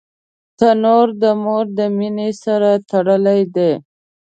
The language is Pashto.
تنور د مور د مینې سره تړلی دی